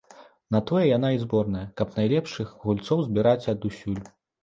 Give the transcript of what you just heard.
На тое яна і зборная, каб найлепшых гульцоў збіраць адусюль.